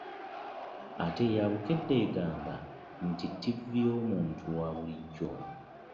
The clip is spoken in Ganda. Ate eya bbukedde egamba nti ttivi y'omuntu owa bulijjo .